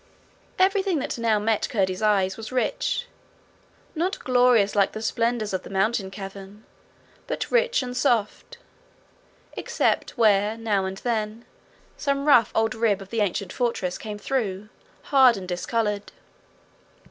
Everything that now met Curdie's eyes was rich not glorious like the splendours of the mountain cavern, but rich and soft except where, now and then, some rough old rib of the ancient fortress came through, hard and discoloured.